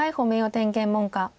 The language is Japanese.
天元門下。